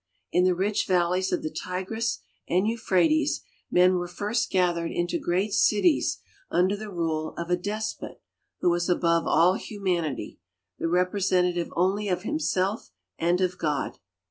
In the rich valleys of the Tigris and Euphrates men were first gathered into great cities under the rule of a despot who was above all humanity, the representative only of him self and of God.